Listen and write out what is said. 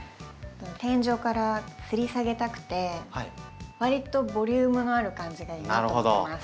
天井からつり下げたくてわりとボリュームのある感じがいいなと思います。